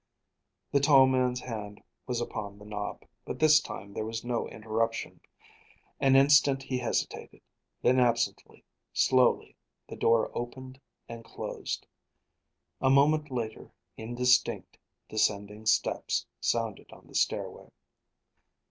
The tall man's hand was upon the knob, but this time there was no interruption. An instant he hesitated; then absently, slowly, the door opened and closed. A moment later indistinct, descending steps sounded on the stairway.